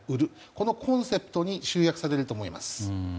このコンセプトに集約されると思います。